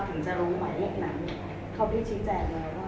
นั้นเขาพิจารณ์แจ้งแล้วว่าทำแต่แบบนี้